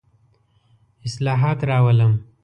اصلاحات راولم.